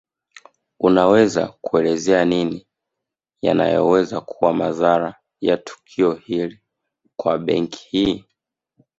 Unaweza kuelezea nini yanaweza kuwa madhara ya tukio hili kwa benki hii